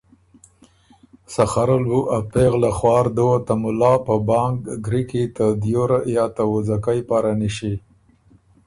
سخر ال بُو ا پېغله خوار دُوه ته مُلا په بانګ ګری کی ته دیوره یا ته وُځَکئ پاره نِݭی۔